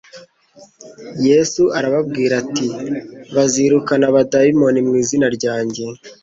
Yesu arababwira, ati : «Bazirukana abadayimoni mu izina ryanjye,